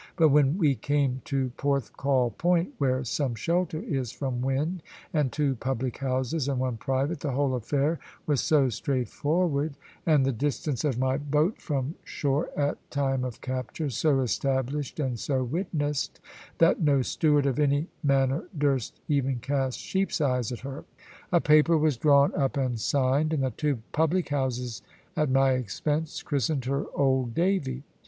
But when we came to Porthcawl Point where some shelter is from wind, and two public houses, and one private the whole affair was so straightforward, and the distance of my boat from shore, at time of capture, so established and so witnessed, that no steward of any manor durst even cast sheep's eyes at her. A paper was drawn up and signed; and the two public houses, at my expense, christened her "Old Davy."